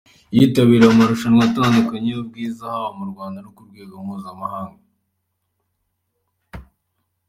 Yitabiriye amarushanwa atandukanye y’ubwiza haba mu Rwanda no ku rwego mpuzamahanga.